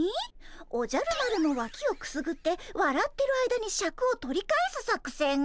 「おじゃる丸のわきをくすぐってわらってる間にシャクを取り返す作戦」？